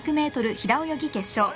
平泳ぎ決勝